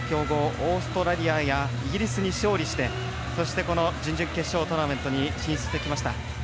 オーストラリアやイギリスに勝利してそして、準々決勝トーナメントに進出してきました。